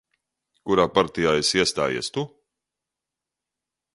Kurā partijā esi iestājies Tu?